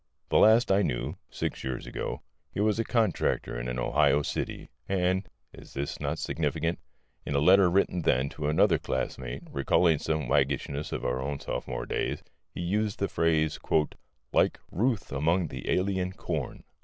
The last I knew six years ago he was a contractor in an Ohio city; and (is this not significant?) in a letter written then to another classmate, recalling some waggishness of our own sophomore days, he used the phrase "Like Ruth among the alien corn."